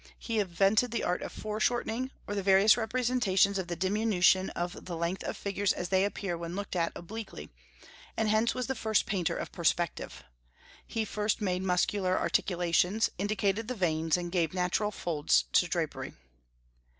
He invented the art of foreshortening, or the various representations of the diminution of the length of figures as they appear when looked at obliquely; and hence was the first painter of perspective. He first made muscular articulations, indicated the veins, and gave natural folds to drapery.